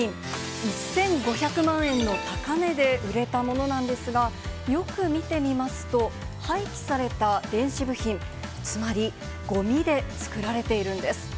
１５００万円の高値で売れたものなんですが、よく見てみますと、廃棄された電子部品、つまり、ごみで作られているんです。